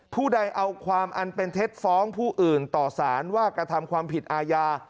ผู้ใดเอาความอันเป็นเท็จฟ้องผู้อื่นต่อสารว่ากระทำความผิดอาญา